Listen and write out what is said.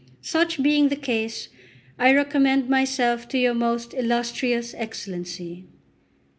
Such being the case, I recommend myself to your most illustrious Excellency."